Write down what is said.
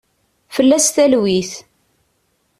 Fell-as talwit.